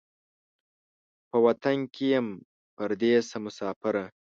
په وطن کې یم پردېسه مسافره